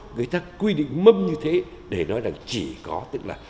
người ta quy định mâm như thế để nói là chỉ có tức là